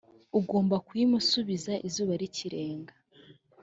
ugomba kuyimusubiza izuba rikirenga.